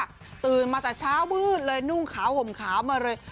ตื่นมาแต่เช้ามืดเลยนุ่งขาวห่มขาวมาเลย